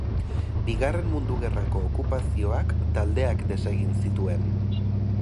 Bigarren Mundu Gerrako okupazioak taldeak desegin zituen.